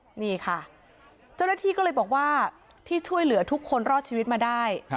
นี่ค่ะเจ้าหน้าที่ก็เลยบอกว่าที่ช่วยเหลือทุกคนรอดชีวิตมาได้